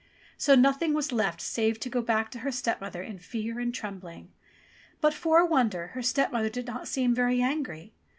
So nothing was left save to go back to her stepmother in fear and trembling. But, for a wonder, her stepmother did not seem very angry.